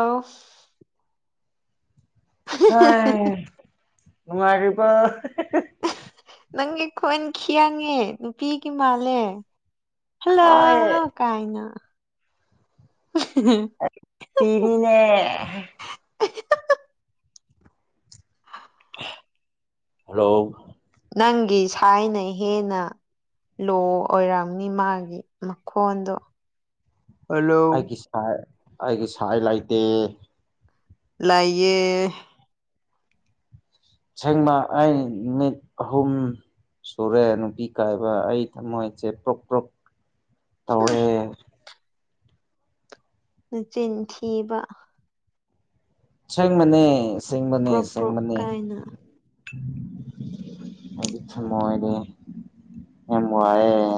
ꯑꯧ ꯅꯨꯡꯉꯥꯏꯔꯤꯕꯣ ꯅꯪꯒꯤ ꯈꯣꯟꯈꯤꯌꯥꯡꯉꯦ ꯅꯨꯄꯤꯒꯤ ꯃꯥꯜꯂꯦ ꯍꯣꯏ ꯍꯜꯂꯣ ꯀꯥꯏꯅ ꯄꯤꯅꯤꯅꯦ ꯍꯜꯂꯣ ꯅꯪꯒꯤ ꯁꯥꯏꯅ ꯍꯦꯟꯅ ꯂꯣ ꯑꯣꯏꯔꯝꯅꯤ ꯃꯥꯒꯤ ꯃꯈꯣꯟꯗꯣ ꯍꯜꯂꯣ ꯑꯩꯒꯤ ꯁꯥꯏ ꯑꯩꯒꯤ ꯁꯥꯏ ꯂꯩꯇꯦ ꯂꯩꯌꯦ ꯁꯦꯡꯃꯥ ꯑꯩ ꯃꯤꯠ ꯈꯨꯝ ꯁꯨꯔꯦ ꯅꯨꯄꯤ ꯀꯥꯏꯕ ꯑꯩ ꯊꯝꯃꯣꯏꯁꯦ ꯄ꯭ꯔꯣꯛ ꯄ꯭ꯔꯣꯛ ꯇꯧꯔꯦ ꯅꯆꯤꯟꯊꯤꯕ ꯑꯁꯦꯡꯕꯅꯦ ꯑꯁꯦꯡꯕꯅꯦ ꯄ꯭ꯔꯣꯞ ꯄ꯭ꯔꯣꯞ ꯑꯁꯦꯡꯕꯅꯦ ꯀꯥꯏꯅ [unintelligible] ꯌꯥꯝ ꯋꯥꯢꯋꯦ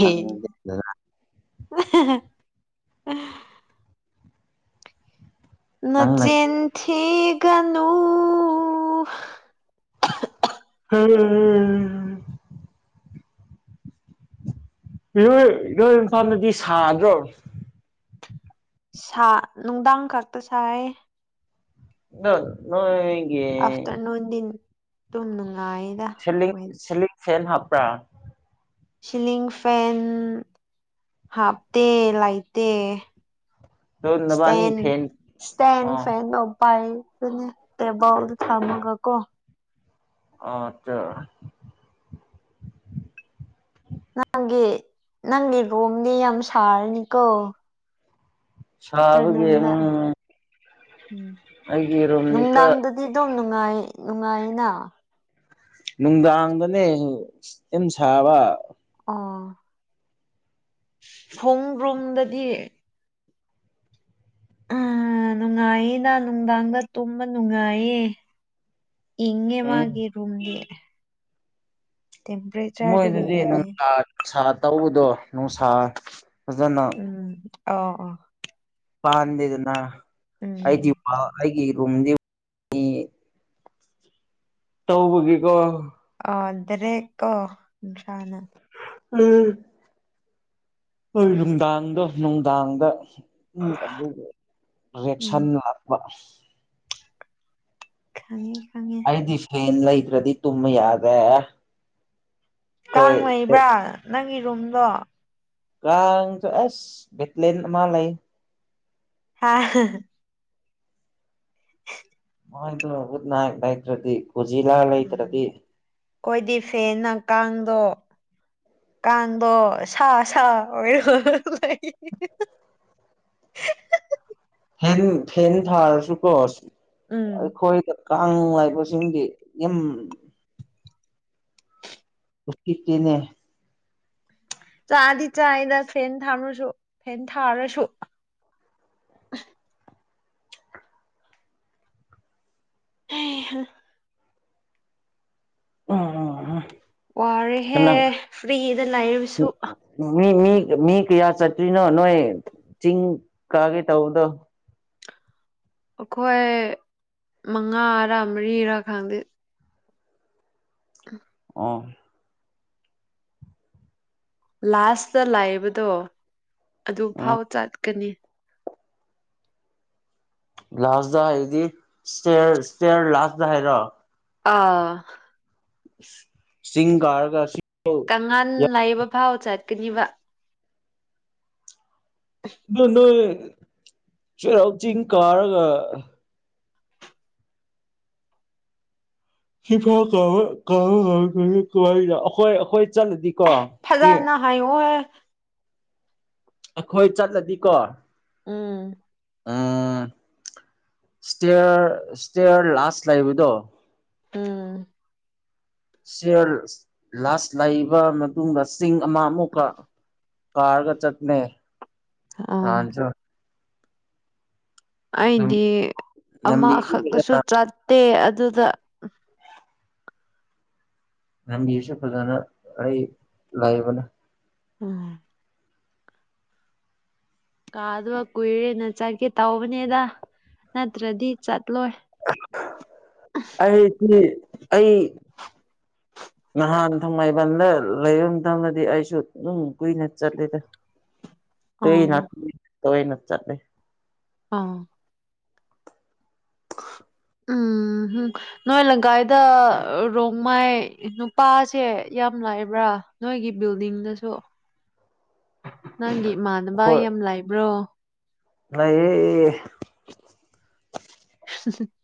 ꯈꯪꯗꯦꯗꯅ ꯅꯪꯅ ꯅꯆꯤꯟ ꯊꯤꯒꯅꯨ ꯑꯝ ꯅꯣꯢ ꯅꯣꯏ ꯏꯝꯐꯥꯜꯗꯗꯤ ꯁꯥꯗ꯭ꯔꯣ ꯁꯥ ꯅꯨꯡꯗꯥꯡ ꯈꯛꯇ ꯁꯥꯏꯌꯦ ꯗꯣ ꯅꯣꯏꯒꯤ [unintelligible] ꯇꯨꯝ ꯅꯨꯡꯉꯥꯏꯌꯦ ꯁꯤꯂꯤꯡ ꯁꯤꯂꯤꯡ ꯐꯦꯟ ꯍꯥꯞꯄ꯭ꯔꯥ ꯁꯤꯂꯤꯡ ꯐꯦꯟ ꯍꯥꯞꯇꯦ ꯂꯩꯇꯦ ꯑꯗꯨ ꯅꯕꯥꯅꯤ ꯏꯁꯇꯦꯟꯇ ꯐꯦꯟ ꯏꯁꯇꯦꯟꯇ ꯑꯣ ꯐꯦꯟ ꯗꯣ ꯄꯥꯢ ꯑꯗꯨꯅꯦ ꯇꯦꯕꯜꯗ ꯊꯝꯃꯒ ꯀꯣ ꯑꯥ ꯆꯥ ꯅꯪꯒꯤ ꯅꯪꯒꯤ ꯔꯨꯝꯗꯤ ꯌꯥꯝ ꯁꯥꯒꯅꯤꯀꯣ ꯁꯥꯕꯒꯤ ꯎꯝ ꯑꯞꯇꯔꯅꯨꯟꯗ ꯑꯩꯒꯤ ꯔꯨꯝꯅꯤꯀ ꯅꯨꯡꯗꯥꯡꯗ ꯑꯩꯗꯨꯝ ꯅꯨꯡꯉꯥꯏ ꯅꯨꯡꯉꯥꯏꯅ ꯅꯨꯡꯗꯥꯡꯗꯅꯦ ꯌꯥꯝ ꯁꯥꯕ ꯑꯣ ꯈꯣꯡꯗ꯭ꯔꯨꯝꯗꯒꯤ ꯎ ꯅꯨꯡꯉꯥꯏꯌꯦ ꯅ ꯅꯨꯡꯗꯥꯡꯗ ꯇꯨꯝꯕ ꯅꯨꯡꯉꯥꯏꯌꯦ ꯢꯪꯉꯦ ꯎꯝ ꯃꯥꯒꯤ ꯔꯨꯝꯗꯤ ꯇ [inaudible] ꯃꯣꯏꯗꯗꯤ ꯅꯨꯡꯁꯥ ꯅꯨꯡꯁꯥ ꯇꯧꯕꯗꯣ ꯅꯨꯡꯁꯥ ꯐꯖꯅ ꯎꯝ ꯑꯣ ꯑꯣ ꯄꯥꯟꯗꯦꯗꯅ ꯎꯝ ꯑꯩꯗꯤ ꯑꯩꯒꯤ ꯔꯨꯝꯗꯤ ꯇꯧꯕꯒꯤꯀꯣ [unintelligible] ꯌꯥꯗꯔꯦꯒꯣ ꯢꯁꯥꯅ ꯎꯝ ꯍꯣꯏ ꯅꯨꯡꯗꯥꯡꯗꯣ ꯅꯨꯡꯗꯥꯡꯗ ꯎꯝ ꯑꯗꯨ ꯎꯝ ꯔꯤꯌꯦꯛꯁꯟ ꯂꯥꯛꯄ ꯈꯪꯉꯦ ꯈꯪꯉꯦ ꯑꯩꯗꯤ ꯐꯦꯟ ꯂꯩꯇ꯭ꯔꯗꯤ ꯇꯨꯝꯕ ꯌꯥꯗ꯭ꯔꯦ ꯀꯥꯡ ꯂꯩꯕ꯭ꯔꯥ ꯅꯪꯒꯤ ꯔꯨꯝꯗꯣ ꯀꯥꯡꯁꯨ ꯑꯦꯁ [unintelligible] ꯦꯠꯂ ꯑꯃꯥ ꯂꯩꯌꯦ ꯑꯥ [inaudible] ꯃꯣꯏꯗꯣ ꯒꯨꯠ ꯅꯥꯢꯠ ꯂꯩꯇ꯭ꯔꯗꯤ ꯀꯨꯖꯤꯂꯥ ꯂꯩꯇ꯭ꯔꯗꯤ ꯎꯝ ꯑꯩꯈꯣꯏꯗꯤ ꯐꯦꯟꯅ ꯀꯥꯡꯗꯣ ꯀꯥꯡꯗꯣ ꯁꯥ ꯁꯥ ꯍꯣꯏꯔ ꯂꯩ [unintelligible] ꯐꯦꯟ ꯐꯦꯟ ꯊꯥꯔꯁꯨꯀꯣ ꯎꯝ ꯑꯩꯈꯣꯏꯗ ꯀꯥꯡ ꯂꯩꯕꯁꯤꯡꯗꯤ ꯌꯝ ꯎꯁꯤꯠꯇꯦꯅꯦ ꯆꯥꯗꯤ ꯆꯥꯏꯗ ꯐꯦꯟ ꯊꯝꯂꯁꯨ ꯐꯦꯟ ꯊꯥꯔꯁꯨ [unintelligible] [unintelligible] ꯋꯥꯔꯦꯍꯦ ꯅꯪ ꯐ꯭ꯔꯤꯗ ꯂꯩꯔꯁꯨ ꯃꯤ ꯃꯤ ꯃꯤ ꯀꯌꯥ ꯆꯠꯇ꯭ꯔꯤꯅꯣ ꯅꯣꯏ ꯆꯤꯡ ꯀꯥꯒꯦ ꯇꯧꯕꯗꯣ ꯑꯩꯈꯣꯏ ꯃꯉꯥꯔꯥ ꯃꯔꯤꯔꯥ ꯈꯪꯗꯦ [inaudible] ꯑꯥ ꯂꯥꯁꯇ ꯂꯥꯛꯏꯕꯗꯣ ꯎꯝ ꯑꯗꯨꯐꯥꯎ ꯆꯠꯀꯅꯤ ꯂꯥꯁꯗꯥ ꯍꯥꯏꯗꯤ ꯏꯁꯇꯦꯔ ꯏꯁꯇꯦꯔ ꯂꯥꯁꯗꯥ ꯍꯥꯏꯔꯣ ꯑꯥ ꯆꯤꯡ ꯀꯔꯒꯥ [unintelligible] ꯑꯉꯥꯟ ꯂꯥꯏꯌꯦꯕ ꯐꯥꯎ ꯆꯠꯀꯅꯤꯕ ꯑꯗꯨ ꯅꯣꯏ ꯁꯦꯔꯥꯎ ꯆꯤꯡ ꯀꯥꯔꯒ [unintelligible] ꯑꯈꯣꯏ ꯑꯈꯣꯏ ꯆꯠꯂꯗꯤꯀꯣ ꯁꯤ [unintelligible] ꯑꯥꯈꯣꯏ ꯆꯠꯂꯗꯤ ꯀꯣ ꯎꯝ ꯎꯝ ꯁꯇꯌꯔ ꯏꯁꯇꯦꯌꯔ ꯂꯥꯁ ꯂꯩꯕꯗꯣ ꯎꯝ ꯁꯤꯔ ꯂꯥꯁ ꯂꯩꯕ ꯃꯇꯨꯡꯗ ꯆꯤꯡ ꯑꯃ ꯑꯃꯨꯛꯀ ꯀꯥꯔꯒ ꯆꯠꯅꯦ ꯑꯥ ꯑꯩꯗꯤ ꯂꯝꯕꯤꯁꯨ ꯑꯃꯈꯛꯇꯁꯨ ꯆꯠꯇꯦ ꯑꯗꯨꯗ [unintelligible] ꯐꯖꯅ ꯑꯩ ꯂꯩꯕꯅꯦ ꯎꯝ ꯀꯥꯗꯨ ꯀꯨꯏꯔꯦꯅ ꯆꯠꯀꯦ ꯇꯧꯕꯅꯦꯗ ꯅꯠꯇ꯭ꯔꯗꯤ ꯆꯠꯂꯣꯏ ꯑꯩꯁꯤ ꯑꯩ [inaudible] ꯅꯍꯥꯟ ꯊꯥꯡꯃꯩꯕꯟꯗ ꯂꯩꯔꯝꯗꯕꯗꯤ ꯑꯩꯁꯨ ꯑꯗꯨꯝ ꯀꯨꯏꯅ ꯆꯠꯂꯤꯗ [inaudible] [unintelligible] ꯇꯧꯏ ꯅ ꯆꯠꯂꯤ ꯑꯥ ꯎꯝ ꯍꯨꯝ ꯅꯣꯏ ꯂꯪꯀꯥꯏꯗ ꯔꯣꯡꯃꯥꯏ ꯅꯨꯄꯥꯁꯦ ꯌꯥꯝ ꯂꯥꯏꯕ꯭ꯔꯥ ꯅꯣꯏꯒꯤ ꯕꯤꯜꯗꯤꯡꯗꯁꯨ ꯅꯪꯒꯤ ꯏꯃꯥꯟꯅꯕ ꯑꯩꯈꯣꯏ ꯌꯥꯝ ꯂꯥꯏꯕ꯭ꯔꯣ [unintelligible] [unintelligible]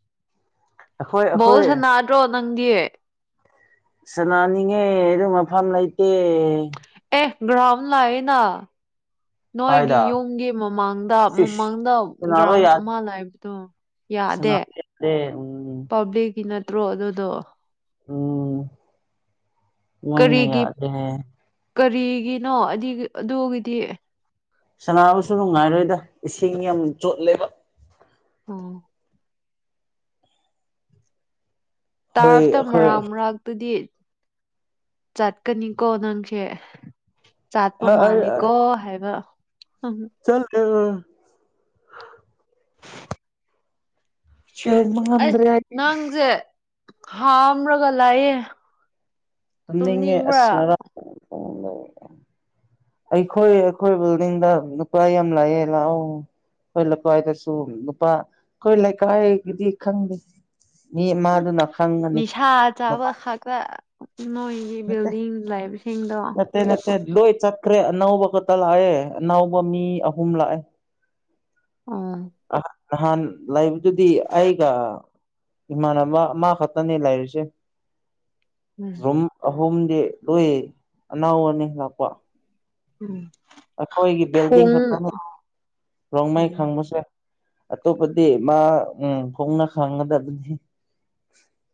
ꯑꯩꯈꯣꯏ ꯕꫭꯜ ꯑꯩꯈꯣꯏ ꯁꯅꯗ꯭ꯔꯣ ꯅꯪꯒꯤ ꯁꯅꯥꯅꯤꯡꯉꯦ ꯑꯗꯨ ꯃꯐꯝ ꯂꯩꯇꯦ ꯑꯦ ꯒ꯭ꯔꯥꯎꯝ ꯂꯑꯅ ꯅꯣꯏꯒꯤ ꯀꯥꯏꯗ ꯌꯨꯝꯒꯤ ꯃꯃꯥꯡꯗ ꯏꯁ ꯃꯃꯥꯡꯗ ꯁꯅꯥꯕ ꯒ꯭ꯔꯥꯎꯟ ꯌꯥꯗꯦ ꯑꯃ ꯂꯩꯕꯗꯣ [unintelligible] ꯄꯕ꯭ꯂꯤꯛꯀꯤ ꯅꯠꯇ꯭ꯔꯣ ꯑꯗꯨꯗꯣ ꯎꯝ ꯋꯥꯏꯅ ꯀꯔꯤꯒꯤ ꯌꯥꯗꯦ ꯍꯥꯏꯌꯦ ꯀꯔꯤꯒꯤꯅꯣ ꯑꯗꯤ ꯑꯗꯨꯒꯤꯗꯤ ꯁꯅꯥꯕꯨꯁꯨ ꯅꯨꯡꯉꯥꯏꯔꯣꯏꯗ ꯏꯁꯤꯡ ꯌꯥꯝ ꯆꯣꯠꯂꯦꯕ ꯎꯝ ꯍꯣꯏ ꯇꯥꯔꯞꯇ ꯑꯩꯈꯣꯏ ꯃꯔꯛ ꯃꯔꯛꯇꯗꯤ ꯆꯠꯀꯅꯤꯀꯣ ꯅꯪꯁꯦ ꯆꯠꯄ ꯑ ꯑꯩ ꯑ ꯃꯥꯜꯂꯤꯀꯣ ꯍꯥꯏꯕ ꯆꯠꯂꯦ ꯆꯦꯟꯕ ꯑꯩ ꯉꯝꯗ꯭ꯔꯦ ꯅꯪꯁꯦ ꯍꯥꯝꯔꯒ ꯂꯩꯌꯦ ꯇꯨꯝꯅꯤꯡꯉꯦ ꯑꯁ ꯉꯥꯔꯥꯡ ꯑꯩꯈꯣꯏ ꯑꯩꯈꯣꯏ ꯕꯤꯜꯗꯤꯡꯗ ꯅꯨꯄꯥ ꯌꯥꯝ ꯂꯥꯛꯑꯦ ꯂꯥꯛꯑꯣ ꯑꯩꯈꯣꯏ ꯂꯩꯀꯥꯏꯗꯁꯨ ꯂꯨꯄꯥ ꯑꯩꯈꯣꯏ ꯂꯩꯀꯥꯏꯒꯤꯗꯤ ꯈꯪꯗꯦ ꯃꯤ ꯃꯥꯗꯨꯅ ꯈꯪꯒꯅꯤ ꯅꯤꯁꯥ ꯆꯥꯕ ꯅꯨꯄꯥ ꯈꯛꯇꯥ ꯅꯣꯏꯒꯤ ꯕꯤꯜꯗꯤꯡ ꯂꯩꯕꯁꯤꯡꯗꯣ ꯅꯠꯇꯦ ꯅꯠꯇꯦ ꯅꯠꯇꯦ ꯂꯣꯏ ꯆꯠꯈ꯭ꯔꯦ ꯑꯅꯧꯕ ꯈꯛꯇ ꯂꯥꯛꯑꯦ ꯑꯅꯧꯕ ꯃꯤ ꯑꯍꯨꯝ ꯂꯥꯛꯑꯦ ꯑꯥ ꯅꯍꯥꯟ ꯂꯩꯕꯗꯨꯗꯤ ꯑꯩꯒ ꯏꯃꯥꯟꯅꯕ ꯃꯥ ꯈꯛꯇꯅꯤ ꯂꯩꯔꯤꯁꯦ ꯎꯝ ꯔꯨꯝ ꯑꯍꯨꯝꯗꯤ ꯂꯣꯏ ꯑꯅꯥꯎ ꯃꯤ ꯂꯥꯛꯄ ꯎꯝ ꯑꯩꯈꯣꯏꯒꯤ ꯕꯤꯜꯗꯤꯡ ꯐꯨꯡ ꯈꯛꯇꯅꯤ ꯔꯣꯡꯃꯩ ꯎꯝ ꯈꯪꯕꯁꯦ ꯑꯇꯣꯞꯄꯗꯤ ꯃꯥ ꯎꯝ ꯈꯣꯡꯅ [unintelligible]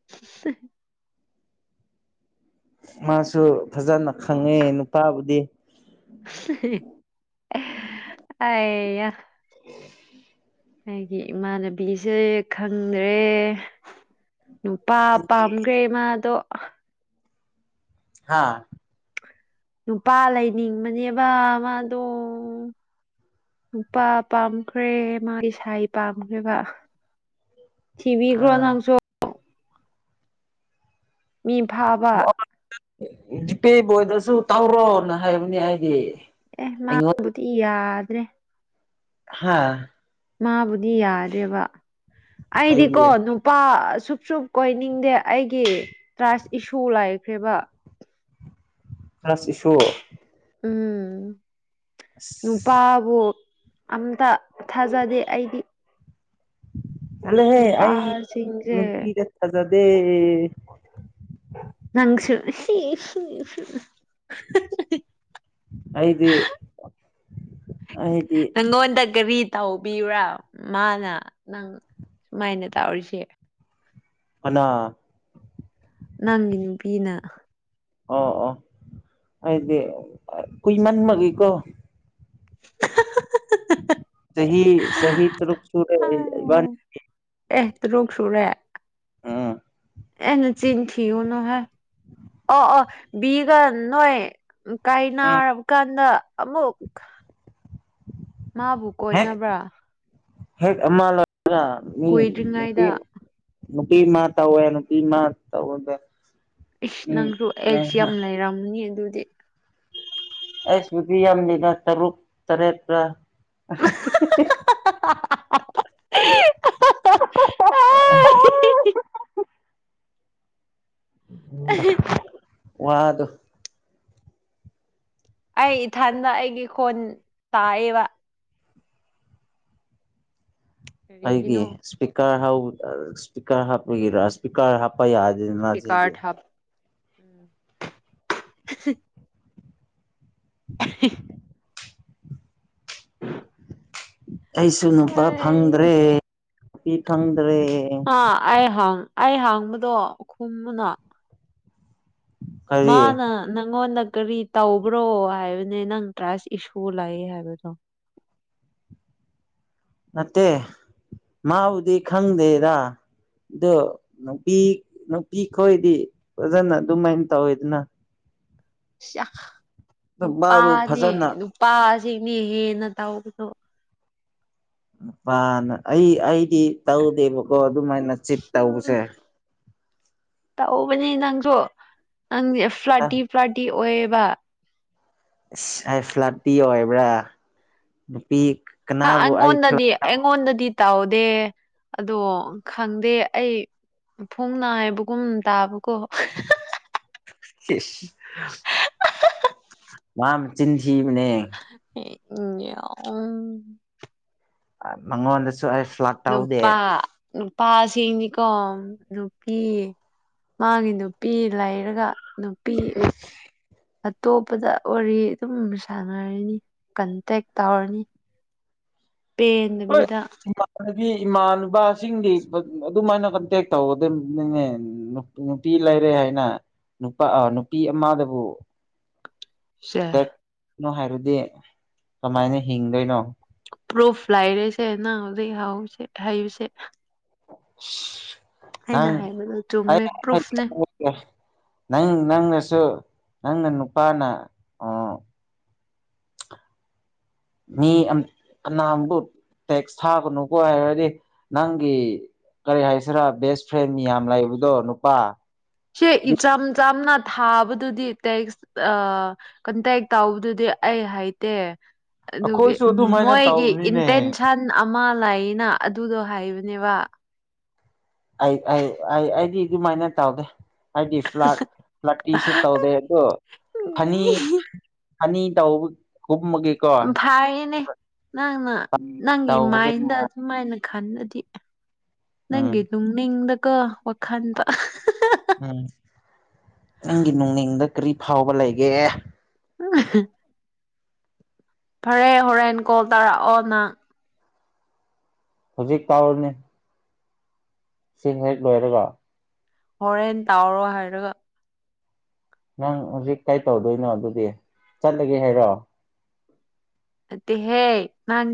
[unintelligible] ꯃꯥꯁꯨ ꯐꯖꯅ ꯈꯪꯉꯦ ꯅꯨꯄꯥꯕꯨꯗꯤ ꯍꯩꯌꯥ [unintelligible] ꯑꯩꯒꯤ ꯏꯃꯥꯟꯅꯕꯤꯁꯦ ꯈꯪꯗ꯭ꯔꯦ ꯅꯨꯄꯥ ꯄꯥꯝꯈ꯭ꯔꯦ ꯃꯥꯗꯣ ꯍꯥꯥ ꯅꯨꯄꯥ ꯂꯩꯅꯤꯡꯕꯅꯦꯕ ꯃꯥꯗꯣ ꯅꯨꯄꯥ ꯄꯥꯝꯈ꯭ꯔꯦ ꯃꯥꯒꯤ ꯁꯥꯏ ꯄꯥꯝꯈ꯭ꯔꯦꯕ ꯑ ꯊꯤꯕꯤꯒ꯭ꯔꯣ ꯅꯪꯁꯨ ꯃꯤ ꯐꯥꯕ ꯗꯤꯄꯦ ꯕꯣꯏꯗꯁꯨ ꯇꯧꯔꯣꯅ ꯍꯥꯏꯕꯅꯦ ꯑꯩꯗꯤ ꯑꯦ ꯑꯩꯉꯣꯟ ꯃꯥꯥꯕꯨꯗꯤ ꯌꯥꯗ꯭ꯔꯦ ꯍꯥꯥ ꯃꯥꯕꯨꯗꯤ ꯌꯥꯗꯔꯦꯕ ꯑꯩꯗꯤꯀꯣ ꯀꯩꯒꯤ ꯅꯨꯄꯥ ꯁꯨꯞ ꯁꯨꯞ ꯀꯣꯏꯅꯤꯡꯗꯦ ꯑꯩꯗꯤ ꯇ꯭ꯔꯥꯁ ꯏꯁꯨ ꯂꯩꯥꯈ꯭ꯔꯦꯕ ꯇꯔ꯭ꯥꯁ ꯏꯁꯨ ꯎꯝ ꯑꯁ ꯅꯨꯄꯥꯕꯨ ꯑꯝꯇ ꯊꯥꯖꯗꯦ ꯑꯩꯗꯤ ꯆꯠꯂꯣꯍꯦ ꯑꯩ ꯅꯨꯄꯥꯁꯤꯡꯁꯦ ꯅꯨꯄꯤꯗꯥ ꯊꯥꯖꯗꯦ ꯅꯪꯁꯨ [unintelligible] ꯑꯩꯗꯤ ꯑꯩꯗꯤ ꯅꯪꯉꯣꯟꯗ ꯒꯥꯔꯤ ꯇꯧꯕꯤꯕ꯭ꯔꯥ ꯃꯥꯅ ꯅꯪ ꯁꯨꯃꯥꯏꯅ ꯇꯧꯔꯤꯁꯦ ꯀꯅꯥ ꯅꯪꯒꯤ ꯅꯨꯄꯤꯅ ꯑꯣ ꯑꯣ ꯑꯩꯗꯤ ꯀꯨꯏꯃꯟꯕꯒꯤꯀꯣ ꯆꯍꯤ ꯆꯍꯤ ꯇꯔꯨꯛ ꯁꯨꯔꯦ ꯑꯩ ꯏꯕꯥꯅꯤ ꯑꯦ ꯇꯔꯨꯛ ꯁꯨꯨꯔꯦ ꯎꯝ ꯑꯦ ꯅꯆꯤꯟ ꯊꯤꯒꯅꯨꯍꯦ ꯑꯣ ꯑꯣ ꯕꯤꯒ ꯅꯣꯏ ꯀꯥꯏ ꯎꯝ ꯅꯥꯔꯕ ꯀꯥꯟꯗ ꯑꯃꯨꯛ ꯃꯥꯕꯨ ꯑꯦ ꯀꯣꯏꯅꯕ꯭ꯔꯥ [unintelligible] ꯃꯤ ꯀꯨꯏꯗ꯭ꯔꯤꯉꯩꯗ ꯅꯨꯄꯤ ꯑꯃꯥ ꯇꯧꯋꯦ ꯅꯨꯄꯤ ꯃꯥ ꯇꯧꯅꯨꯗ ꯏꯁ ꯅꯪꯁꯨ ꯑꯦꯛꯁ ꯌꯥꯝ ꯂꯩꯔꯝꯅꯤ ꯑꯗꯨꯗꯤ ꯑꯩꯁ ꯅꯨꯄꯤ ꯌꯥꯝꯗꯦꯗ ꯇꯔꯨꯛ ꯇꯔꯦꯠ [unintelligible] [unintelligible] ꯋꯥꯗꯣ ꯑꯩ ꯏꯊꯟꯗ ꯑꯩꯒꯤ ꯈꯣꯟ ꯇꯥꯢꯑꯦꯕ ꯀꯔꯤꯒꯤꯅꯣ ꯑꯩꯒꯤ ꯏꯁꯄꯤꯀꯔ ꯏꯁꯄꯤꯀꯔ ꯍꯥꯞꯄꯒꯤ ꯔꯥ ꯏꯁꯄꯤꯀꯔ ꯍꯥꯞꯄ ꯌꯥꯗꯦꯗꯅ ꯁꯤꯗꯤ ꯏꯁꯄꯤꯀꯥꯔ ꯊꯥꯞ ꯎꯝ [unintelligible] ꯑꯩꯁꯨ ꯅꯨꯄꯥ ꯐꯪꯗ꯭ꯔꯦ ꯅꯨꯄꯤ ꯐꯪꯗ꯭ꯔꯦ ꯑ ꯑꯩ ꯍꯪ ꯑꯩ ꯍꯪꯕꯗꯣ ꯈꯨꯝꯃꯨꯅ ꯀꯔꯤ ꯃꯥꯅ ꯅꯪꯉꯣꯟꯗ ꯀꯔꯤ ꯇꯧꯕ꯭ꯔꯣ ꯍꯥꯏꯕꯅꯦ ꯅꯪ ꯇ꯭ꯔꯁ ꯏꯁꯨ ꯂꯩ ꯍꯥꯏꯕꯗꯣ ꯅꯠꯇꯦ ꯃꯥꯕꯨꯗꯤ ꯈꯪꯗꯦꯗ ꯑꯗꯣ ꯅꯨꯄꯤ ꯅꯨꯄꯤ ꯈꯣꯏꯗꯤ ꯐꯖꯅ ꯑꯗꯨꯃꯥꯏꯅ ꯇꯧꯋꯤꯗꯅ ꯅꯨꯄꯥꯕꯨ ꯅꯨꯄꯥꯅꯦ ꯐꯖꯅ ꯅꯨꯄꯥꯁꯤꯡꯅꯦ ꯍꯦꯟꯅ ꯇꯧꯕꯗꯣ ꯅꯨꯄꯥꯅ ꯑꯩ ꯑꯩꯗꯤ ꯇꯧꯗꯦꯕꯀꯣ ꯑꯗꯨꯃꯥꯏꯅ ꯆꯤꯠ ꯎꯝ ꯇꯧꯕꯁꯦ ꯇꯧꯕꯅꯦ ꯅꯪꯁꯨ ꯅꯪ ꯑꯁ ꯐ꯭ꯂꯥꯇꯤ ꯐ꯭ꯂꯥꯇꯤ ꯑꯣꯏꯌꯦꯕ ꯏꯁ ꯑꯩ ꯐ꯭ꯂꯠꯄꯤ ꯑꯣꯏꯕ꯭ꯔꯥ ꯅꯨꯄꯤ ꯀꯅꯥꯕꯨ ꯑꯩ ꯐ꯭ꯂꯥꯠ ꯑꯩꯉꯣꯟꯗꯗꯤ ꯑꯩꯉꯣꯟꯗꯗꯤ ꯇꯥꯎꯗꯦ ꯑꯗꯣ ꯈꯪꯗꯦ ꯑꯩ ꯄꯨꯡ ꯅꯥꯏꯕꯒꯨꯝ ꯇꯥꯕꯀꯣ ꯢꯁ ꯆꯤꯟ ꯊꯤꯕꯅꯦ ꯏ ꯎꯝ [unintelligible] ꯃꯉꯣꯟꯗꯁꯨ ꯑꯩ ꯐ꯭ꯂꯥꯠ ꯇꯧꯗꯦ ꯅꯨꯄꯥ ꯅꯨꯄꯥꯁꯤꯡꯗꯤꯀꯣ ꯅꯨꯄꯤ ꯃꯥꯒꯤ ꯅꯨꯄꯤ ꯂꯩꯔꯒ ꯅꯨꯄꯤ ꯑꯇꯣꯞꯄꯗ ꯋꯥꯔꯤ ꯑꯗꯨꯝ ꯁꯥꯟꯅꯔꯅꯤ ꯀꯟꯇꯦꯛ ꯇꯧꯔꯅꯤ ꯄꯦꯟꯗꯕꯤꯗꯥ ꯑꯗꯨꯗꯤ ꯏꯃꯥꯅꯕꯁꯤꯡꯒꯤ ꯕ ꯑꯗꯨꯃꯥꯏꯅ ꯀꯟꯇꯦꯛ ꯇꯧꯒꯗꯕꯅꯤꯅꯦ ꯅꯨꯄꯤ ꯂꯩꯔꯦ ꯍꯥꯏꯅ ꯅꯨꯄꯥ ꯑꯥ ꯅꯨꯄꯤ ꯑꯃꯗꯕꯨ ꯁꯦ ꯇꯛꯅꯣ ꯍꯥꯏꯕꯗꯤ ꯀꯃꯥꯏꯅ ꯍꯤꯡꯗꯣꯏꯅꯣ ꯄ꯭ꯔꯨꯐ ꯂꯥꯏꯔꯦꯁꯦ ꯅꯪ ꯍꯨꯖꯤꯛ ꯍꯧꯔꯣꯁꯦ ꯍꯥꯢꯕꯁꯦ [unintelligible] ꯅꯪ ꯑꯩꯅ ꯍꯥꯏꯕꯗꯣ ꯆꯨꯝꯃꯦ ꯄ꯭ꯔꯨꯐꯅꯦ ꯅꯪ ꯅꯪꯅꯁꯨ ꯅꯪꯅ ꯅꯨꯄꯥꯅ ꯑꯣ ꯃꯤ ꯑꯝ ꯀꯅꯥꯝꯕꯨ ꯇꯦꯛꯁ ꯊꯥꯒꯅꯨꯀꯣ ꯍꯥꯏꯔꯗꯤ ꯅꯪꯒꯤ ꯀꯔꯤ ꯍꯥꯏꯁꯤꯔꯥ ꯕꯦꯁ ꯐ꯭ꯔꯦꯟ ꯃꯤ ꯌꯥꯝ ꯂꯩꯕꯗꯣ ꯅꯨꯄꯥ ꯁꯦ ꯏꯆꯝ ꯆꯝꯅ ꯊꯥꯕꯗꯨꯗꯤ ꯇꯦꯛꯁ ꯑꯥ ꯀꯟꯇꯦꯛ ꯇꯧꯕꯗꯨꯗꯤ ꯑꯩ ꯍꯩꯇꯦ꯫ ꯑꯗꯨꯒꯤ ꯑꯩꯈꯣꯏꯁꯨ ꯑꯗꯨꯃꯥꯏꯅ ꯃꯣꯏꯒꯤ ꯇꯧꯕꯅꯤꯅꯦ ꯏꯟꯇꯦꯟꯁꯟ ꯑꯃꯥ ꯂꯩꯅ ꯑꯗꯨꯗꯣ ꯍꯥꯏꯕꯅꯦꯕ꯫ ꯑꯩ ꯑꯩ ꯑꯩ ꯑꯩꯗꯤ ꯑꯗꯨꯃꯥꯏꯅ ꯇꯧꯗꯦ ꯑꯩꯗꯤ ꯐ꯭ꯂꯠ ꯐ꯭ꯂꯠꯇꯤꯁꯨ ꯇꯧꯗꯦ ꯑꯗꯨ ꯐꯅꯤ ꯐꯅꯤ ꯇꯧꯕ ꯀꯨꯝꯕꯒꯤ ꯐꯌꯦꯅꯦ ꯅꯪꯅ ꯅꯪꯒꯤ ꯇꯧꯕꯒꯤꯅꯦ ꯃꯥꯏꯟꯗ ꯑꯗꯨꯃꯥꯏꯅ ꯈꯟꯂꯗꯤ ꯎꯝ ꯅꯪꯒꯤ ꯇꯨꯡꯅꯤꯡꯗꯀꯣ ꯋꯥꯈꯟꯕ꯫ ꯎꯝ ꯅꯪꯒꯤ ꯅꯨꯡꯅꯤꯡꯗ ꯀꯔꯤ ꯐꯥꯎꯕ ꯂꯩꯒꯦ꯫ [unintelligible] ꯐꯔꯦ ꯍꯣꯔꯦꯟ ꯀꯣꯜ ꯇꯥꯔꯛꯑꯣ ꯅꯪ꯫ ꯍꯧꯖꯤꯛ ꯇꯥꯎꯔꯅꯦ꯫ ꯁꯤꯡ ꯍꯦꯛ ꯂꯣꯏꯔꯒ꯫ ꯍꯣꯔꯦꯟ ꯇꯥꯎꯔꯣ ꯍꯥꯏꯔꯒ꯫ ꯅꯪ ꯍꯨꯖꯤꯛ ꯀꯩ ꯇꯧꯗꯣꯏꯅꯣ ꯑꯗꯨꯗꯤ ꯆꯠꯂꯒꯦ ꯍꯥꯏꯔꯣ꯫ ꯅꯠꯇꯦꯍꯦ ꯅꯪ